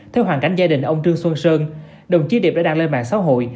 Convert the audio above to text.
theo hoàn cảnh gia đình ông trương xuân sơn đồng chí điệp đã đăng lên mạng xã hội